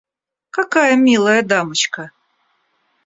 Какая милая дамочка!